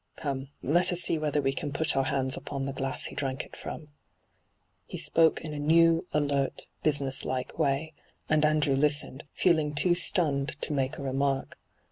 Come, let us see whether we can put our hands upon the glass he drank it from.' He spoke in a new, alert, business like way, and Andrew listened, feeling too stunned to hyGoogIc ENTRAPPED 35 make a remark.